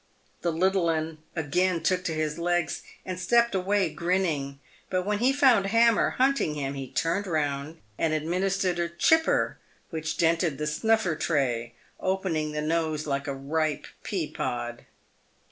The little 'un again took to his legs and stepped away grinning, but when he found Hammer hunting him he turned round and administered a " chipper," which dented the snuffer tray, opening the nose like a ripe pea pod.